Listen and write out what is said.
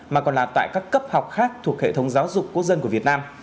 mà còn là tại các cấp học khác thuộc hệ thống giáo dục quốc dân của việt nam